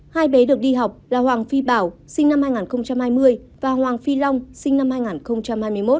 hai bé được đi học là hoàng phi bảo sinh năm hai nghìn hai mươi và hoàng phi long sinh năm hai nghìn hai mươi một